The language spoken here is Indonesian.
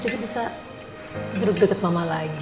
jadi bisa deket deket mama lagi